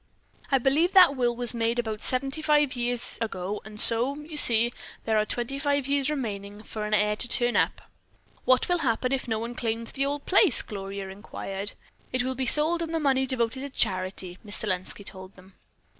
"I believe that will was made about seventy five years ago and so, you see, there are twenty five years remaining for an heir to turn up." "What will happen if no one claims the old place?" Gloria inquired. "It is to be sold and the money devoted to charity," Miss Selenski told them.